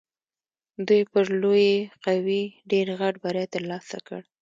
دوی پر لویې قوې ډېر غټ بری تر لاسه کړی.